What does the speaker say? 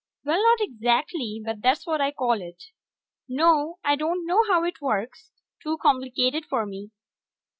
Well, not exactly, but that's what I call it. No, I don't know how it works. Too complicated for me.